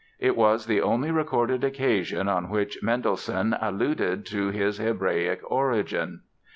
It was the only recorded occasion on which Mendelssohn alluded to his Hebraic origin.